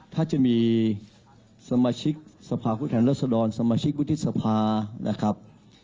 ถ้าจะมีสมาชิกสภาพผู้แทนรัศดรสมาชิกวุฒิสภานะครับ